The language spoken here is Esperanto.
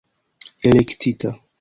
elektita